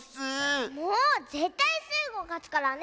もうぜったいスイ子かつからね！